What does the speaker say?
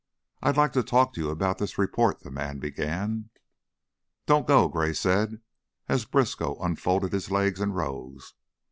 "I'd like to talk to you about this report," the man began. "Don't go," Gray said, as Briskow unfolded his legs and rose.